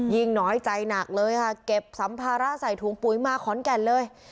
น้อยใจหนักเลยค่ะเก็บสัมภาระใส่ถุงปุ๋ยมาขอนแก่นเลย